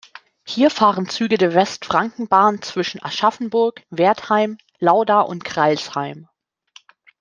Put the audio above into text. Hier fahren Züge der Westfrankenbahn zwischen Aschaffenburg, Wertheim, Lauda und Crailsheim.